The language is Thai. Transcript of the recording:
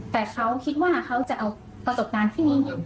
แต่เขาคิดว่าเขาจะเอาประสบการณ์ที่นี้